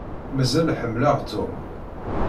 Mazal ḥemmleɣ Tom.